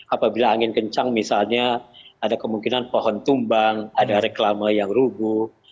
apabila angin kencang misalnya ada kemungkinan pohon tumbang ada reklama yang rubuh